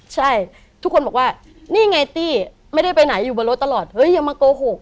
ใช่ทุกคนบอกว่านี่ไงตี้ไม่ได้ไปไหนอยู่บนรถตลอดเฮ้ยอย่ามาโกหก